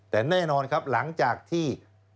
แต่แน่นอนครับหลังจากที่